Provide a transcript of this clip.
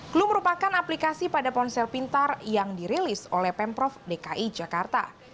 clue merupakan aplikasi pada ponsel pintar yang dirilis oleh pemprov dki jakarta